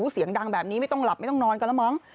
เสียงดังแบบนี้ไม่ต้องหลับไม่ต้องนอนกันแล้วมั้ง